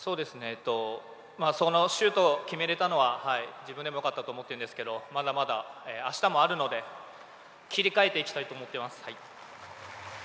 そのシュートを決められたのは自分でもよかったと思ってるんですけどまだまだ、あしたもあるので切り替えていきたいと思っています。